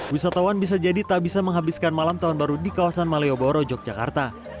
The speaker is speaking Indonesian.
wisatawan bisa jadi tak bisa menghabiskan malam tahun baru di kawasan malioboro yogyakarta